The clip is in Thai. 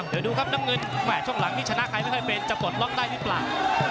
เดี๋ยวดูครับน้ำเงินแห่ช่วงหลังนี้ชนะใครไม่ค่อยเป็นจะปลดล็อกได้หรือเปล่า